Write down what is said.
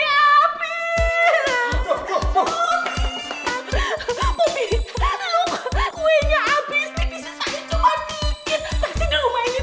di sisi saya cuma dikit